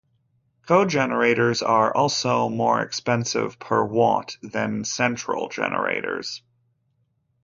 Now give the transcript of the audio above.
Cogenerators are also more expensive per watt than central generators.